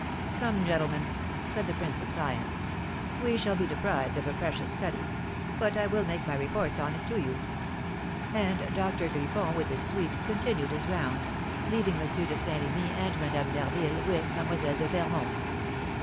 "Come, gentlemen," said the prince of science, "we shall be deprived of a precious study; but I will make my reports on it to you." And Doctor Griffon, with his suite, continued his round, leaving M. de Saint Remy and Madame d'Harville with Mlle. de Fermont.